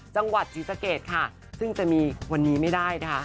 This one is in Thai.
จังหวัดศรีสะเกดค่ะซึ่งจะมีวันนี้ไม่ได้นะคะ